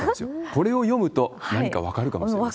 これを読むと何か分かるかもしれません。